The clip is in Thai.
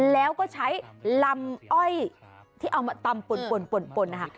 แล้วก็ใช้ลำอ้อยที่เอามาตำปนนะคะ